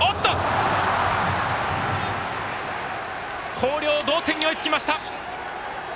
広陵、同点に追いつきました。